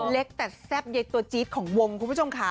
เล็กแต่แซ่บใยกตัวจี๊ดของวงคุณผู้ชมค่ะ